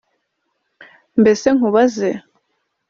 Mbese nkubaze